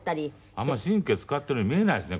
あんま神経使ってるように見えないですね